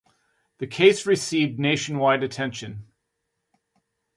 The case received nationwide attention.